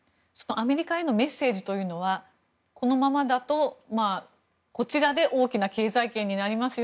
アメリカへのメッセージというのはこのままだとこちらで大きな経済圏になりますよ